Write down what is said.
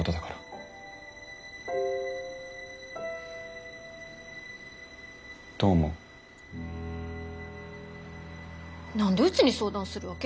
何でうちに相談するわけ？